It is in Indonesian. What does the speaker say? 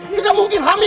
tidak mungkin hamil